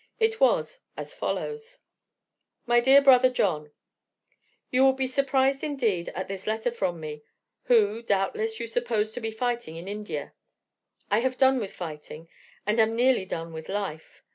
It was as follows: "MY DEAR BROTHER JOHN: "You will be surprised indeed at this letter from me, who, doubtless, you suppose to be fighting in India. I have done with fighting, and am nearly done with life.